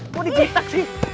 kok dikitak sih